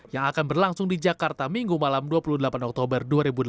yang akan berlangsung di jakarta minggu malam dua puluh delapan oktober dua ribu delapan belas